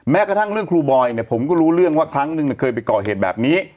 กระทั่งเรื่องครูบอยเนี่ยผมก็รู้เรื่องว่าครั้งนึงเคยไปก่อเหตุแบบนี้